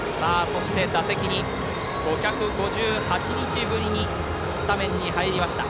打席に５５８日ぶりにスタメンに入りました。